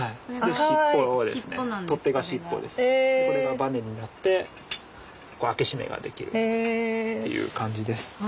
これがバネになってこう開け閉めができるっていう感じです。